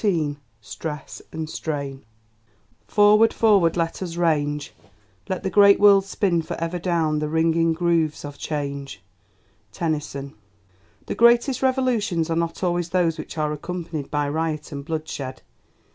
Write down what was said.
CHAPTER XIV: Stress and Strain Forward, forward let us range, Let the great world spin for ever down the ringing grooves of change. TENNYSON The greatest Revolutions are not always those which are accompanied by riot and bloodshed.